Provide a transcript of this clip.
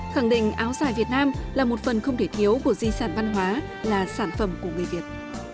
khẳng định áo dài việt nam là một phần không thể thiếu của di sản văn hóa là sản phẩm của người việt